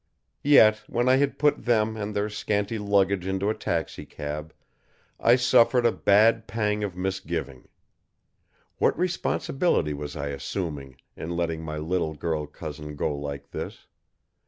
Yet, when I had put them and their scanty luggage into a taxicab, I suffered a bad pang of misgiving. What responsibility was I assuming in letting my little girl cousin go like this?